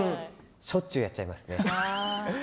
しょっちゅうやっています。